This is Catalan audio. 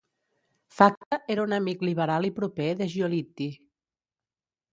Facta era un amic liberal i proper de Giolitti.